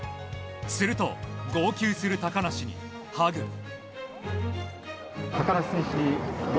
すると、号泣する高梨にハグ。